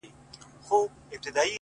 o په عزت په شرافت باندي پوهېږي،